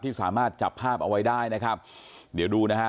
สามารถจับภาพเอาไว้ได้นะครับเดี๋ยวดูนะฮะ